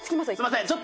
すみません。